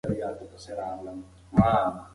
هغه ځانګړي کسان شاعران بلل کېږي.